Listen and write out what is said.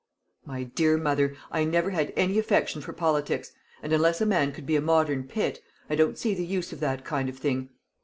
"My dear mother, I never had any affection for politics; and unless a man could be a modern Pitt, I don't see the use of that kind of thing.